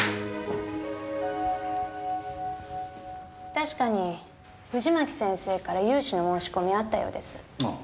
確かに藤巻先生から融資の申し込みあったようです。ああ。